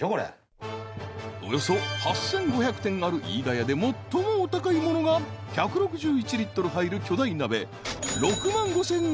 ［およそ８，５００点ある飯田屋で最もお高いものが１６１リットル入る巨大鍋］